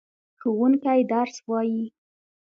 ښوونکی درس وايي.